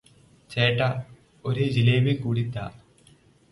ചേട്ടാ ഒരു ജിലേബി കൂടി താ